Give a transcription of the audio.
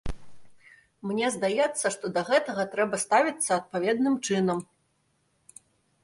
Мне здаецца, што да гэтага трэба ставіцца адпаведным чынам.